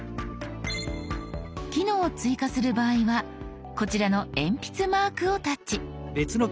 機能を追加する場合はこちらの鉛筆マークをタッチ。